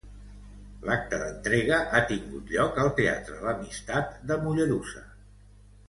L'acte d'entrega ha tingut lloc al Teatre L'Amistat de Mollerussa.